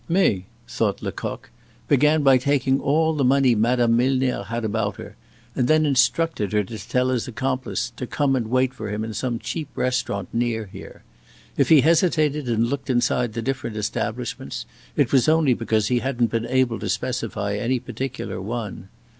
"May," thought Lecoq, "began by taking all the money Madame Milner had about her, and then instructed her to tell his accomplice to come and wait for him in some cheap restaurant near here. If he hesitated and looked inside the different establishments, it was only because he hadn't been able to specify any particular one.